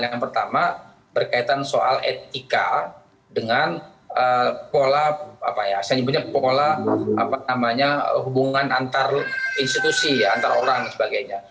yang pertama berkaitan soal etika dengan pola hubungan antar institusi antar orang dan sebagainya